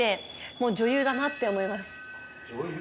もう女優だなって思います。